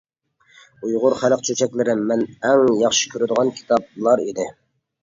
ئۇيغۇر خەلق چۆچەكلىرى مەن ئەڭ ياخشى كۆرىدىغان كىتابلار ئىدى.